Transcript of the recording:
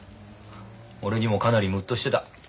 俺にもかなりムッとしてた。